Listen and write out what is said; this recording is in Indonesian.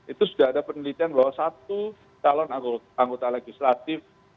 itu sudah ada penelitian bahwa satu calon anggota legislatif